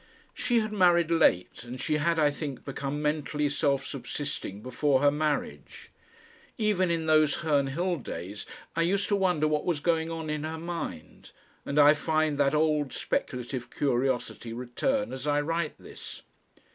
She had married late and she had, I think, become mentally self subsisting before her marriage. Even in those Herne Hill days I used to wonder what was going on in her mind, and I find that old speculative curiosity return as I write this.